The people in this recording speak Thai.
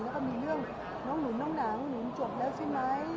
แล้วก็มีเรื่องน้องหนุนน้องหนังหนุนจบแล้วใช่ไหม